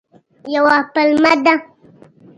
یوه پلمه ده.